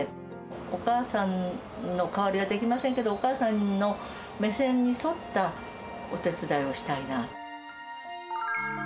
お母さんの代わりはできませんけど、お母さんの目線に沿ったお手伝いをしたいなあと。